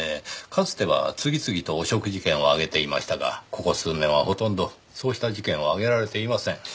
かつては次々と汚職事件を挙げていましたがここ数年はほとんどそうした事件を挙げられていません。